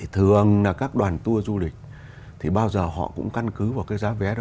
thường là các đoàn tour du lịch thì bao giờ họ cũng căn cứ vào cái giá vé đó